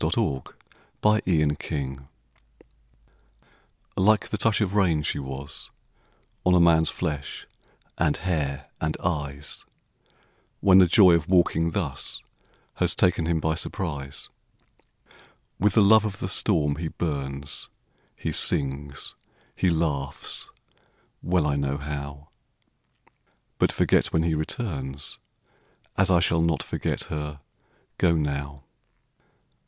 LIKE THE TOUCH OF RAIN LIKE the touch of rain she was On a man's flesh and hair and eyes When the joy of walking thus Has taken him by surprise: With the love of the storm he burns, He sings, he laughs, well I know how, But forgets when he returns As I shall not forget her "Go now."